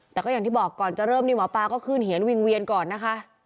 แต่ก็อย่างที่บอกก่อนจะเริ่มนี่หมอปลาก็ขึ้นเหียนวิ่งเวียนก่อนนะคะ